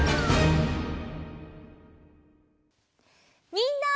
みんな！